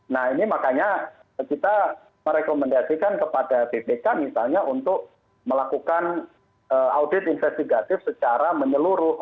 nah ini makanya kita merekomendasikan kepada bpk misalnya untuk melakukan audit investigatif secara menyeluruh